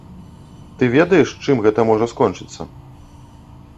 Ты ведаеш, чым гэта можа скончыцца?